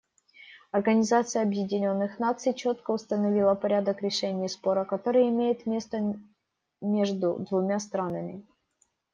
Организация Объединенных Наций четко установила порядок решения спора, который имеет место между двумя странами.